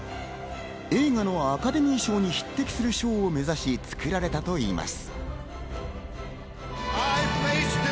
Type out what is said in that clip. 映画のアカデミー賞に匹敵する賞を目指し作られたといいます。